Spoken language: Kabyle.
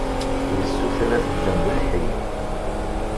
Yessuter ad t-ǧǧen d lḥi.